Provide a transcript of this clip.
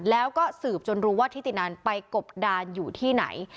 แล้วก็สืบจนรู้ว่าทิตินันไปกบดานอยู่ที่ไหน